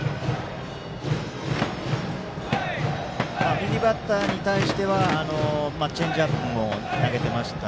右バッターに対してはチェンジアップも投げていました。